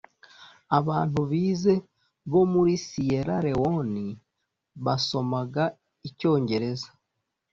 Abantu bize bo muri Siyera Lewone basomaga icyongereza